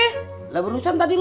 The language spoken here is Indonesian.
siapa yang nyelala sih be